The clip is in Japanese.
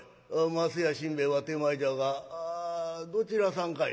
舛屋新兵衛は手前じゃがどちらさんかいな？